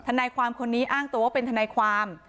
นายความคนนี้อ้างตัวว่าเป็นทนายความ